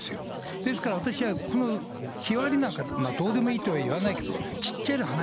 ですから、私はこの日割りなんかどうでもいいとは言わないけど、ちっちゃな話。